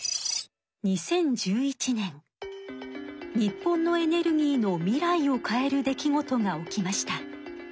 日本のエネルギーの未来を変える出来事が起きました。